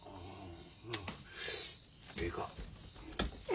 ええか？